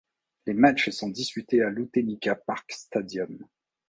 Les matchs sont disputés à l'Outeniqua Park Stadium.